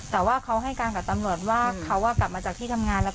แต่ว่าเขาให้การกับตำรวจว่าเขากลับมาจากที่ทำงาน